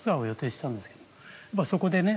そこでね